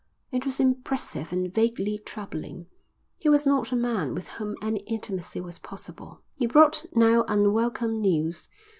It was impressive and vaguely troubling. He was not a man with whom any intimacy was possible. He brought now unwelcome news.